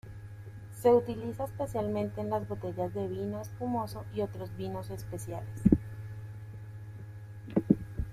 Se utiliza especialmente en las botellas de vino espumoso y otros vinos especiales.